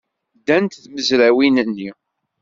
Ddant tmezrawin-nni.